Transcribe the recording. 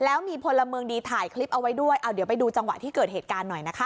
แล้วมีพลเมืองดีถ่ายคลิปเอาไว้ด้วยเอาเดี๋ยวไปดูจังหวะที่เกิดเหตุการณ์หน่อยนะคะ